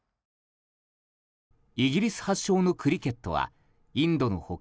イギリス発祥のクリケットはインドの他